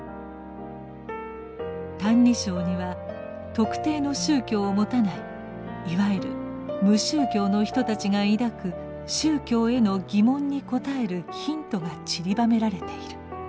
「歎異抄」には特定の宗教をもたないいわゆる「無宗教」の人たちが抱く宗教への疑問に応えるヒントがちりばめられている。